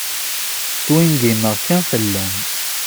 Swingimeɣ kan fell-am.